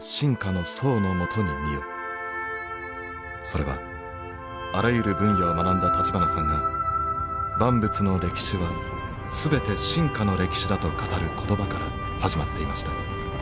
それはあらゆる分野を学んだ立花さんが万物の歴史は全て進化の歴史だと語る言葉から始まっていました。